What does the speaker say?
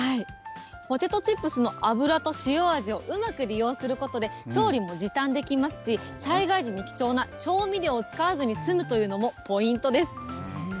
ポテトチップスの油と塩味をうまく利用することで、調理も時短できますし、災害時に貴重な調味料を使わずに済むというのもポイントです。